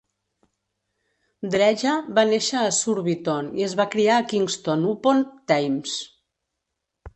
Dreja va néixer a Surbiton i es va criar a Kingston upon Thames.